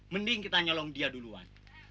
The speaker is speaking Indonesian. mending kita nyolong dia duluan